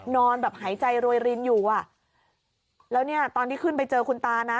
นอนแบบหายใจโรยรินอยู่อ่ะแล้วเนี่ยตอนที่ขึ้นไปเจอคุณตานะ